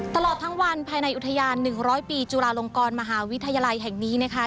ตลอดทั้งวันภายในอุทยาน๑๐๐ปีจุฬาลงกรมหาวิทยาลัยแห่งนี้นะคะ